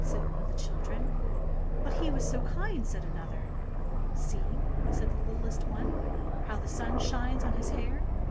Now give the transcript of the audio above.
said one of the children. "But he was so kind!" said another. "See!" said the littlest one. "How the sun shines on his hair!